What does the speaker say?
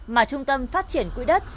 mà trung tâm phát triển quỹ đất